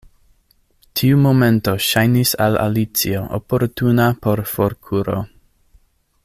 Tiu momento ŝajnis al Alicio oportuna por forkuro.